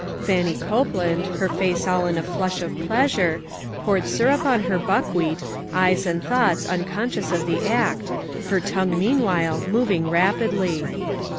Fannie Copeland, her face all in a flush of pleasure, poured syrup on her buckwheat, eyes and thoughts unconscious of the act, her tongue meanwhile moving rapidly.